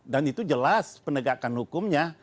dan itu jelas penegakan hukumnya